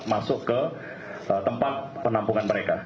masuk ke tempat penampungan mereka